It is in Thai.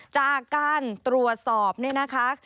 จากการตรวจสอบเนี่ยนะคะ